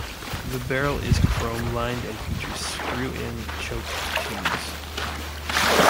The barrel is chrome lined and features screw-in choke tubes.